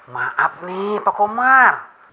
maaf nih pak komar